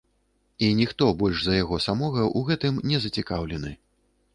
І ніхто больш за яго самога ў гэтым не зацікаўлены.